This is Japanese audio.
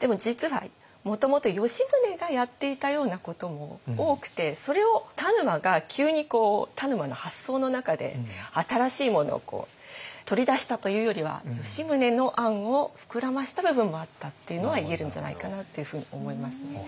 でも実はもともと吉宗がやっていたようなことも多くてそれを田沼が急に田沼の発想の中で新しいものを取り出したというよりは吉宗の案を膨らました部分もあったっていうのは言えるんじゃないかなっていうふうに思いますね。